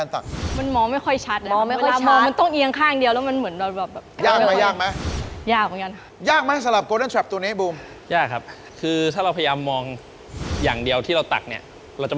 ต้องขอบอกก่อนเลยว่า